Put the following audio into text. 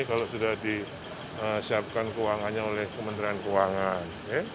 kalau sudah disiapkan keuangannya oleh kementerian keuangan